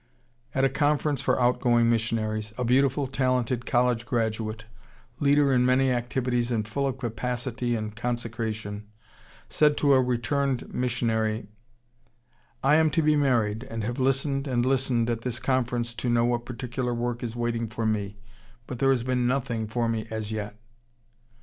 At a conference for outgoing missionaries, a beautiful, talented college graduate, leader in many activities and full of capacity and consecration, said to a returned missionary, "I am to be married, and have listened and listened at this conference to know what particular work is waiting for me, but there has been nothing for me as yet."